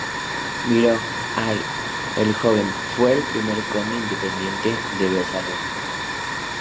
Miró I "el Joven" fue el primer conde independiente de Besalú.